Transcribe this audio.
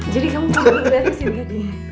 jadi kamu mau berubah dari sini